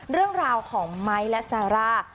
เรื่องราวของไมค์และแซล่า